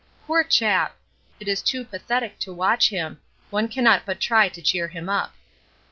Poor chap! it is too pathetic to watch him; one cannot but try to cheer him up.